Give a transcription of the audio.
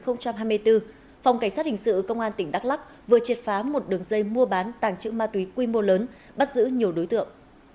năm hai nghìn hai mươi bốn phòng cảnh sát hình sự công an tỉnh đắk lắc vừa triệt phá một đường dây mua bán tàng trữ ma túy quy mô lớn bắt giữ nhiều đối tượng